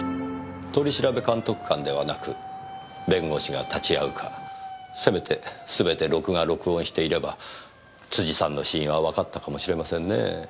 取調監督官ではなく弁護士が立ち会うかせめてすべて録画録音していれば辻さんの死因はわかったかもしれませんねぇ。